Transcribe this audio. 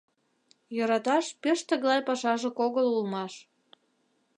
Йӧраташ пеш тыглай пашажак огыл улмаш.